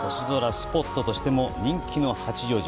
スポットとしても人気の八丈島。